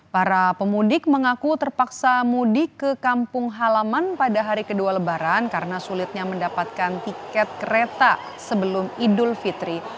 para pemudik mengaku terpaksa mudik ke kampung halaman pada hari kedua lebaran karena sulitnya mendapatkan tiket kereta sebelum idul fitri